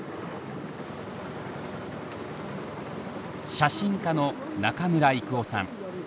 写真家の中村征夫さん。